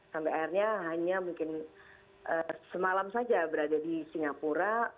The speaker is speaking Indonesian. sampai akhirnya hanya mungkin semalam saja berada di singapura